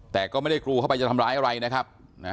แต่ก็ไม่ได้กรูเข้าไปจะทำร้ายอะไรนะครับ